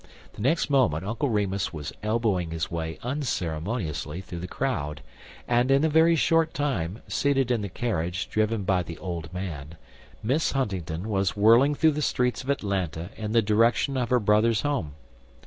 The next moment Uncle Remus was elbowing his way unceremoniously through the crowd, and in a very short time, seated in the carriage driven by the old man, Miss Huntingdon was whirling through the streets of Atlanta in the direction of her brother's home.